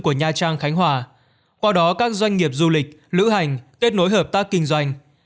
các doanh nghiệp du lịch lữ hành kết nối hợp tác kinh doanh